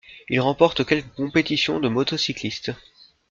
Il remporte quelques compétitions de motocyclisme.